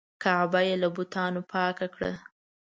کعبه یې له بتانو پاکه کړه.